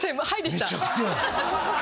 「はい」でした！